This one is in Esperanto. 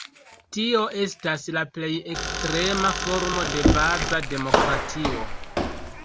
Tio estas la plej ekstrema formo de baza demokratio.